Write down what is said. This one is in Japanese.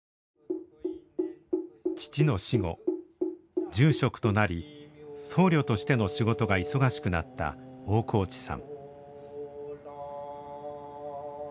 父の死後住職となり僧侶としての仕事が忙しくなった大河内さん。